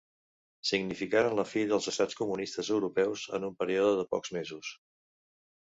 Significaren la fi dels estats comunistes europeus en un període de pocs mesos.